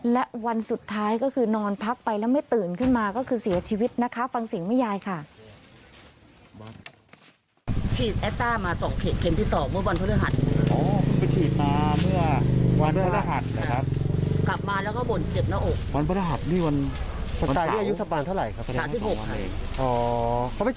และวันสุดท้ายก็คือนอนพักไปแล้วไม่ตื่นขึ้นมาก็คือเสียชีวิตนะคะฟังเสียงแม่ยายค่ะ